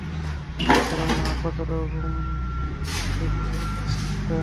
এরাও না, হাসপাতালকেও কামাঠিপুরার গলি ভাবছে।